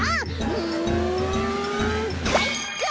うんかいか！